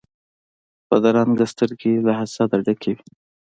بدرنګه سترګې له حسده ډکې وي